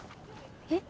え。